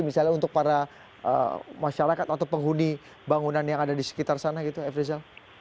misalnya untuk para masyarakat atau penghuni bangunan yang ada di sekitar sana efri zal